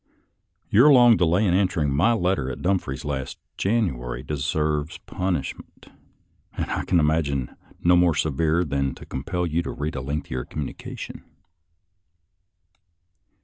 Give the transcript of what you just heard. YoTJE long delay in answering my letter written at Dumfries last January deserves punishment, and I can imagine none more severe than to com pel you to read a lengthier communication.